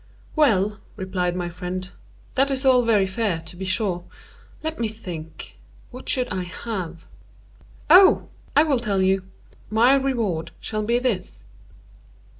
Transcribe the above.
"Well," replied my friend, "that is all very fair, to be sure. Let me think!—what should I have? Oh! I will tell you. My reward shall be this.